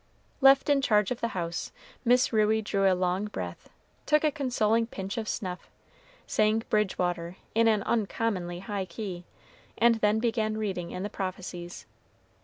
Left in charge of the house, Miss Ruey drew a long breath, took a consoling pinch of snuff, sang "Bridgewater" in an uncommonly high key, and then began reading in the prophecies.